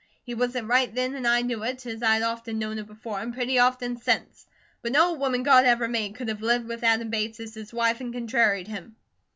He wasn't RIGHT then, and I knew it, as I'd often known it before, and pretty often since; but no woman God ever made could have lived with Adam Bates as his wife and contraried him.